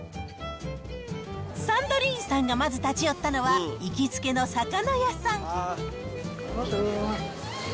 サンドリーンさんがまず立ち寄ったのは、行きつけの魚屋さん。